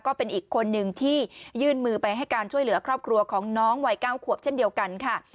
ก็เป็นอีกคนนึงที่ยื่นมือไปให้การช่วยเหลือครอบครัวของน้องวัย๙ขวบเช่นเดียวกันค่ะ